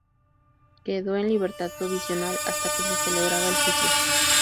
Quedó en libertad provisional hasta que se celebrara el juicio.